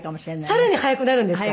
更に早くなるんですか？